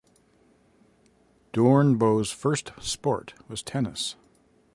Doornbos' first sport was tennis.